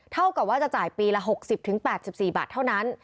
เท่ากับว่าจะจ่ายปีละ๖๐๘๔บาทเท่านั้น